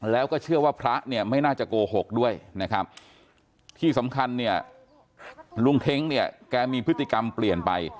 แล้วก็เชื่อว่าพระเนี่ยไม่น่าจะโกหกด้วยนะครับที่สำคัญเนี่ยลุงเท้งเนี่ยแกมีพฤติกรรมเปลี่ยนไป